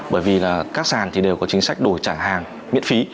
bởi vì là các sản thì đều có chính sách đổi trả hàng miễn phí